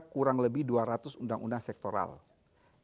kurang lebih dua ratus undang undang sektor lain